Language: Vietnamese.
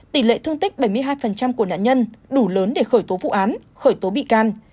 tỷ lệ thương tích bảy mươi hai của nạn nhân đủ lớn để khởi tố vụ án khởi tố bị can